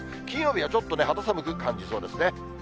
金曜日はちょっと肌寒く感じそうですね。